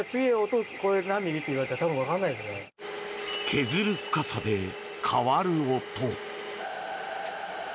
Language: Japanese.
削る深さで変わる音。